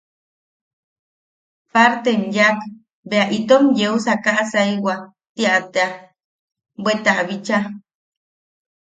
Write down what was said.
Partem yaak bea itom yeu kaʼasaiwa ¡tia tea! ...bweta bicha...